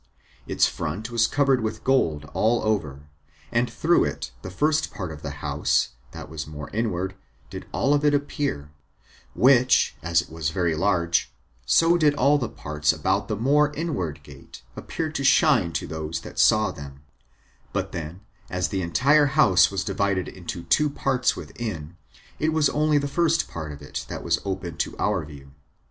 Its front was covered with gold all over, and through it the first part of the house, that was more inward, did all of it appear; which, as it was very large, so did all the parts about the more inward gate appear to shine to those that saw them; but then, as the entire house was divided into two parts within, it was only the first part of it that was open to our view.